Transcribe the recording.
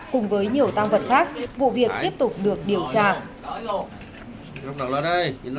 cùng với nhiều tăng vật khác vụ việc tiếp tục được điều tra